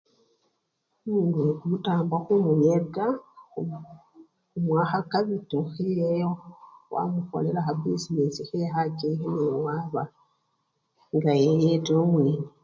Omundu wekumutamboo khumuyeta, khu! khumuwa khakabito khewe wamukholela khabisinesi khewe khatiti naye waba nga eyeta omwene.